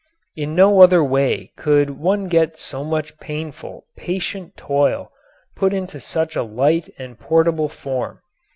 In no other way could one get so much painful, patient toil put into such a light and portable form.